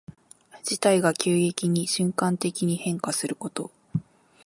事態が急激に瞬間的に変化すること。